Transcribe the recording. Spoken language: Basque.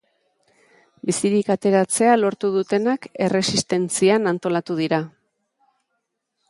Bizirik ateratzea lortu dutenak erresistentzian antolatu dira.